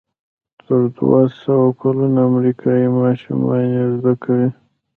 تر دوهسوه کلونو امریکایي ماشومان یې زده کوي.